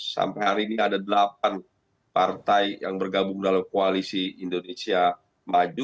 sampai hari ini ada delapan partai yang bergabung dalam koalisi indonesia maju